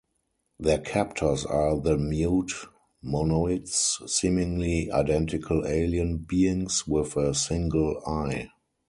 Their captors are the mute Monoids, seemingly identical alien beings with a single eye.